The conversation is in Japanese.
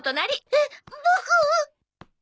えっボク？